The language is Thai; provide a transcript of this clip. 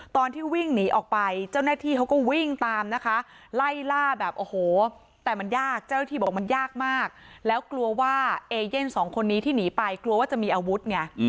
ตอนที่วิ่งหนีออกไปเจ้าหน้าที่เขาก็วิ่งตามนะคะไล่ล่าแบบโอ้โหแต่มันยากเจ้าหน้าที่บอกมันยากมากแล้วกลัวว่าเอเย่นสองคนนี้ที่หนีไปกลัวว่าจะมีอาวุธไง